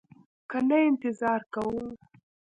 که نه انتظار کوو.